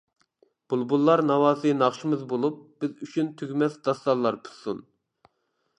بۇلبۇللار ناۋاسى ناخشىمىز بولۇپ، بىز ئۈچۈن تۈگىمەس داستانلار پۈتسۇن.